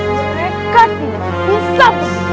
mereka tidak bisa